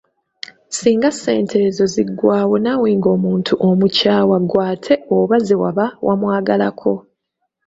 Singa ssente ezo ziggwaawo naawe ng'omuntu omukyawa gw'ate oba ze waba wamwagalako!